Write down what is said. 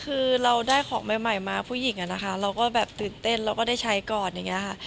คือเราได้ของใหม่มาผู้หญิงอะนะคะเราก็แบบตื่นเต้นเราก็ได้ใช้ก่อนอย่างนี้ค่ะ